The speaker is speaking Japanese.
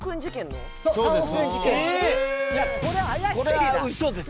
これはウソです。